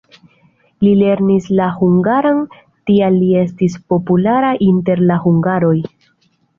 Li lernis la hungaran, tial li estis populara inter la hungaroj.